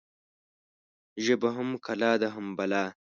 ژبه هم کلا ده هم بلا.